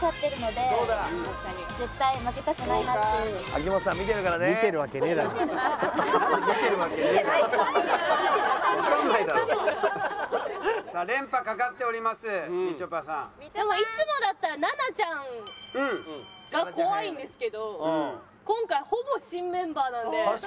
でもいつもだったら奈々ちゃんが怖いんですけど今回ほぼ新メンバーなんで。